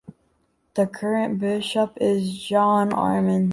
The current bishop is John Armes.